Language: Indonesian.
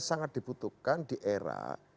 sangat dibutuhkan di era